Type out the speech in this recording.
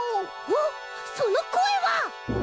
おっそのこえは！？